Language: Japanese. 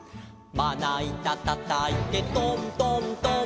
「まないたたたいてトントントン」